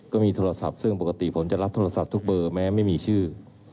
ก็มีโทรศัพท์ซึ่งปกติผมจะรับโทรศัพท์ทุกเบอร์แม้ไม่มีชื่อ